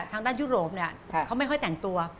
ยุโรปเนี่ยเขาไม่ค่อยแต่งตัว